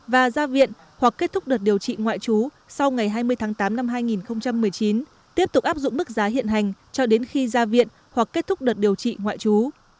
và ra viện hoặc kết thúc đợt điều trị ngoại trú sau ngày hai mươi tháng tám năm hai nghìn một mươi chín tiếp tục áp dụng mức giá hiện hành cho đến khi ra viện hoặc kết thúc đợt điều trị ngoại trú